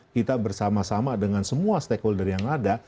kita bersama sama dengan semua stakeholder yang ada